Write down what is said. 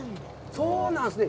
そうなんですね。